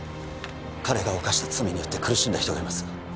彼が犯した罪によって苦しんだ人がいます